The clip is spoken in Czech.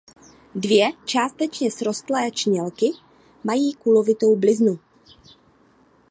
Dvě částečně srostlé čnělky mají kulovitou bliznu.